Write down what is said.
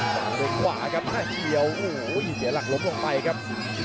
วางไว้ขวาครับห้าเยียวโอ้โหเดี๋ยวหลักลบลงไปครับ